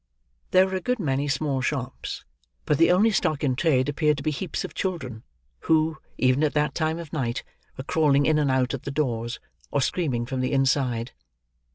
There were a good many small shops; but the only stock in trade appeared to be heaps of children, who, even at that time of night, were crawling in and out at the doors, or screaming from the inside.